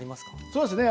そうですね